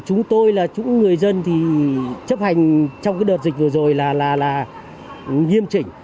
chúng tôi là chúng người dân thì chấp hành trong cái đợt dịch vừa rồi là nghiêm trình